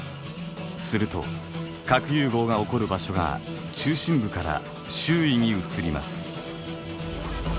すると核融合が起こる場所が中心部から周囲に移ります。